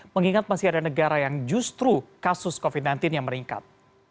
mengingat masih ada negara yang justru kasus covid sembilan belas yang meningkat